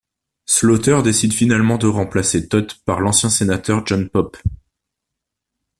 Slaughter décide finalement de remplacer Todd par l'ancien sénateur John Pope.